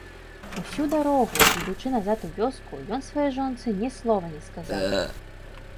Усю дарогу, ідучы назад у вёску, ён сваёй жонцы ні слова не сказаў.